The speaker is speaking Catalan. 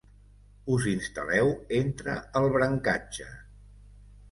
Us instal·leu entre el brancatge.